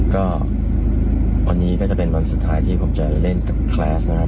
ก็วันนี้ก็จะเป็นวันสุดท้ายที่ผมจะเล่นกับแคลสนะครับ